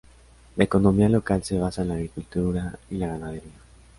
La economía local se basa en la agricultura y la ganadería.